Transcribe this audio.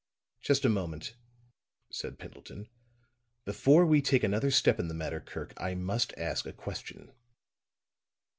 "Just a moment," said Pendleton. "Before we take another step in the matter, Kirk, I must ask a question."